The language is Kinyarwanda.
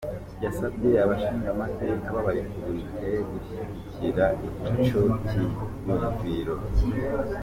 Yasavye abashingamateka b'aba Républicains gushigikira ico ciyumviro.